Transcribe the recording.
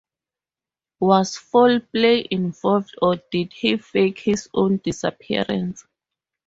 Was foul play involved, or did he fake his own disappearance?